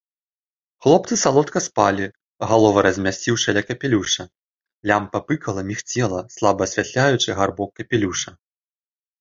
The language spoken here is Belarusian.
Хлопцы салодка спалі, галовы размясціўшы ля капелюша, лямпа пыкала, мігцела, слаба асвятляючы гарбок капелюша.